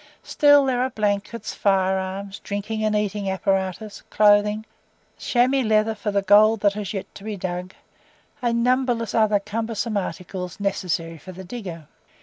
Still there are the blankets, fire arms, drinking and eating apparatus, clothing, chamois leather for the gold that has yet to be dug, and numberless other cumbersome articles necessary for the digger.